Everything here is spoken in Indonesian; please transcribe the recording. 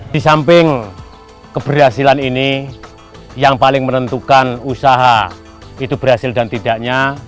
di samping keberhasilan ini yang paling menentukan usaha itu berhasil dan tidaknya